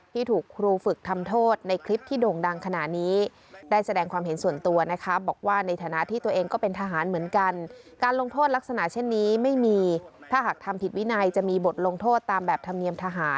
ที่ถูกครูฝึกทำโทษในคลิปที่โด่งดังขณะนี้